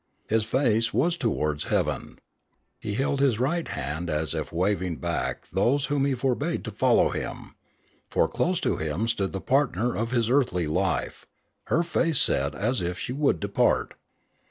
His face was to wards heaven. He held his right hand as if waving back those whom he forbade to follow him; for close to him stood the partner of his earthly life, her face set as if she would depart.